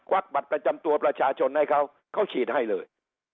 บัตรประจำตัวประชาชนให้เขาเขาฉีดให้เลย